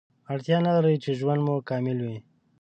اړتیا نلري چې ژوند مو کامل وي